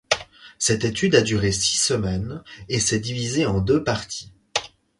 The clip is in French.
Cette étude a duré six semaines et s’est divisée en deux parties.